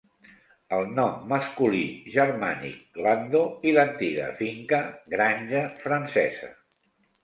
El nom masculí germànic "Glando" i l'antiga "finca" "granja" francesa.